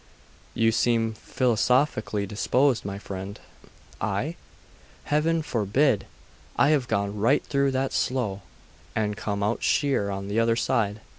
'You seem philosophically disposed, my friend.' 'I? Heaven forbid! I have gone right through that slough, and come out sheer on the other side.